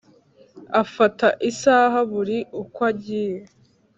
afata Isaha buri ukwagiye.